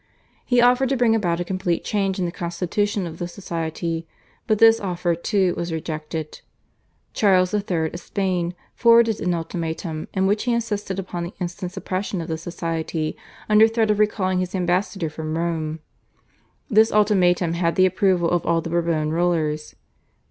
He offered to bring about a complete change in the constitution of the Society, but this offer, too, was rejected. Charles III. of Spain forwarded an ultimatum in which he insisted upon the instant suppression of the Society under threat of recalling his ambassador from Rome. This ultimatum had the approval of all the Bourbon rulers.